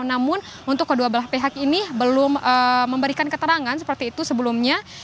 namun untuk kedua belah pihak ini belum memberikan keterangan seperti itu sebelumnya